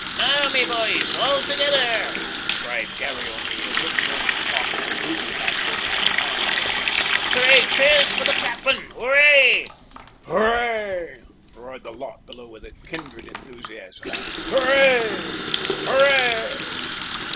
"Now, me bhoys, altogether," cried Garry O'Neil, looking over the top of the booby hatch over the companion way, "three cheers for the cap'en, horray!" "Horray!" roared the lot below with a kindred enthusiasm, "Horray! Horray!"